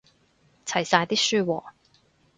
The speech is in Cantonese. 齊晒啲書喎